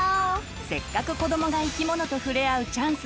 せっかく子どもが生き物と触れ合うチャンス